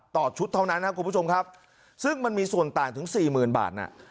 ต่อชุดเท่านั้นครับคุณผู้ชมครับซึ่งมันมีส่วนต่างถึงสี่หมื่นบาทน่ะ